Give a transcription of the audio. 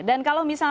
dan kalau misalnya